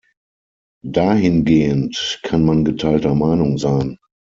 Dahingehend kann man geteilter Meinung sein.